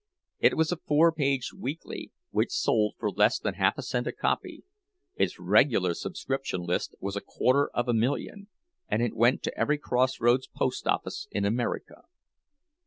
It was a four page weekly, which sold for less than half a cent a copy; its regular subscription list was a quarter of a million, and it went to every crossroads post office in America.